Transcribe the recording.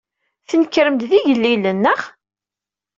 Tnekrem-d d igellilen, naɣ?